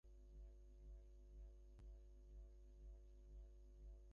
পাঁচ দিন ধরে সড়কের প্রবেশপথগুলোতে বাঁশ দিয়ে আটকে সার্বক্ষণিক প্রহরা বসানো হয়েছে।